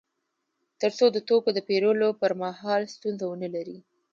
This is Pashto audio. تر څو د توکو د پېرلو پر مهال ستونزه ونلري